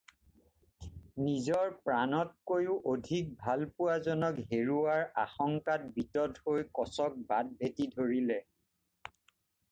নিজৰ প্ৰাণতকৈও অধিক ভালপোৱা জনক হেৰুৱাৰ আশংকাত বিতত হৈ কচক বাট ভেটি ধৰিলে।